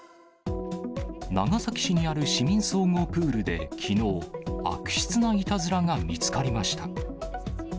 長崎市にある市民総合プールで、きのう、悪質ないたずらが見つかりました。